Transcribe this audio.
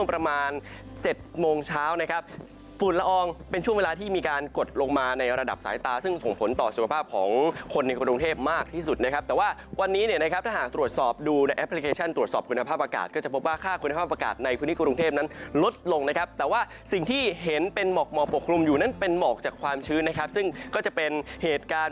ระดับสายตาซึ่งส่งผลต่อสุขภาพของคนในกรุงเทพมากที่สุดนะครับแต่ว่าวันนี้เนี่ยนะครับถ้าหากตรวจสอบดูในแอปพลิเคชันตรวจสอบคุณภาพอากาศก็จะพบว่าค่าคุณภาพอากาศในพื้นที่กรุงเทพนั้นลดลงนะครับแต่ว่าสิ่งที่เห็นเป็นหมอกหมอกปกครมอยู่นั้นเป็นหมอกจากความชื้นนะครับซึ่งก็จะเป็นเหต